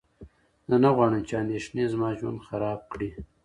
زه نه غواړم چې اندېښنې زما ژوند خراب کړي.